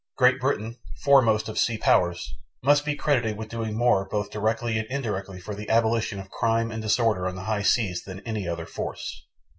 Great Britain, foremost of sea powers, must be credited with doing more both directly and indirectly for the abolition of crime and disorder on the high seas than any other force.